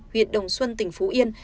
huyện đồng xuân tỉnh phú yên